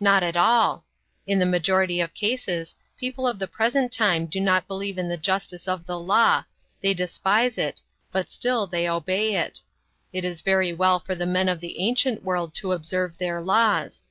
Not at all. In the majority of cases people of the present time do not believe in the justice of the law, they despise it, but still they obey it. It was very well for the men of the ancient world to observe their laws.